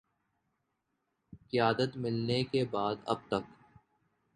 قیادت ملنے کے بعد اب تک